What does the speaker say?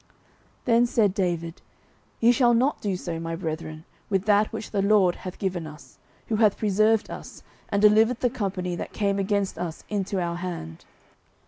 09:030:023 Then said David, Ye shall not do so, my brethren, with that which the LORD hath given us, who hath preserved us, and delivered the company that came against us into our hand.